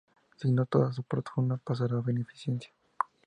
Si no toda su fortuna pasará a beneficencia.